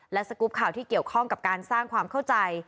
และสกรูปข่าวที่เกี่ยวข้องกับการสร้างความเข้าใจ